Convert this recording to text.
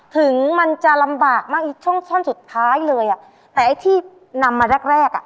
ถึงมันจะลำบากมากอีกช่องช่อนสุดท้ายเลยอ่ะแต่ไอ้ที่นำมาแรกแรกอ่ะ